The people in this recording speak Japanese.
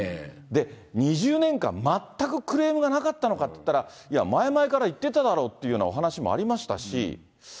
２０年間、全くクレームがなかったのかっていったら、いや、前々から言ってただろうっていうような、お話もありましたし。